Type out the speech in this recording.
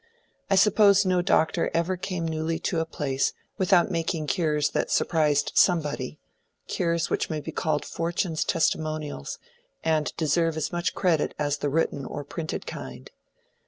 I suppose no doctor ever came newly to a place without making cures that surprised somebody—cures which may be called fortune's testimonials, and deserve as much credit as the written or printed kind.